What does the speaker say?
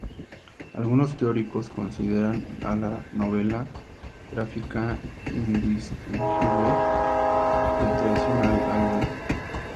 Algunos teóricos consideran a la novela gráfica indistinguible del tradicional álbum.